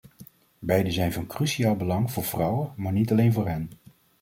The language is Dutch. Beide zijn van cruciaal belang voor vrouwen, maar niet alleen voor hen.